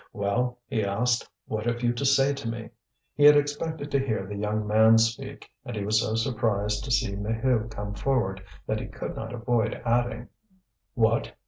"Well," he asked, "what have you to say to me?" He had expected to hear the young man speak and he was so surprised to see Maheu come forward that he could not avoid adding: "What!